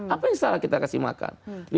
apa yang salah kita kasih makan